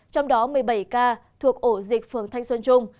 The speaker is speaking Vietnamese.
trong đó một mươi bảy ca thuộc ổ dịch phường thanh xuân trung